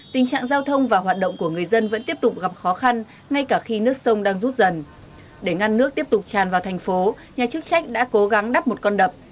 tràn vào thành phố nhà chức trách đã cố gắng đắp một con đập